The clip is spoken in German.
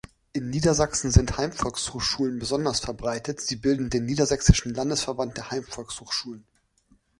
In Niedersachsen sind Heimvolkshochschulen besonders verbreitet, sie bilden den Niedersächsischen Landesverband der Heimvolkshochschulen.